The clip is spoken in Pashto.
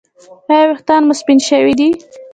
ایا ویښتان مو سپین شوي دي؟